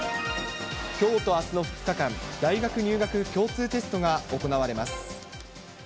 きょうとあすの２日間、大学入学共通テストが行われます。